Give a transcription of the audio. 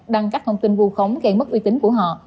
đăng các thông tin vu khống gây mất uy tín của họ